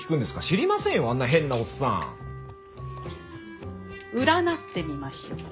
知りませんよあんな変なおっさん！占ってみましょう。